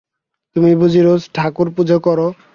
তুমি বুঝি রোজ ঠাকুর পুজো কর।